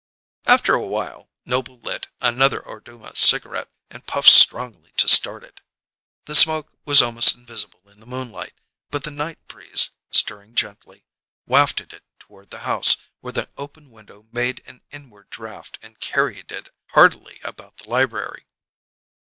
After a while Noble lit another Orduma cigarette and puffed strongly to start it. The smoke was almost invisible in the moonlight, but the night breeze, stirring gently, wafted it toward the house, where the open window made an inward draft and carried it heartily about the library.